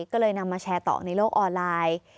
ก็เลยนำมาแชร์ต่อในโลกออนไลน์